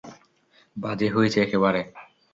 বাজে হয়েছে একেবারে।